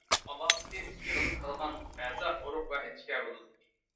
ئالامىتى يىغىلىپ قالغان ئەزا ئورۇق ۋە ئىنچىكە بولىدۇ.